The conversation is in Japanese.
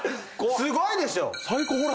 すごいでしょ！